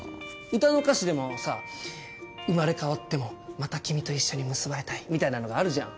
歌の歌詞でもさぁ「生まれ変わってもまた君と一緒に結ばれたい」みたいなのがあるじゃん。